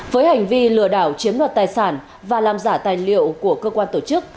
với hành vi lừa đảo chiếm đoạt tài sản và làm giả tài liệu của cơ quan tổ chức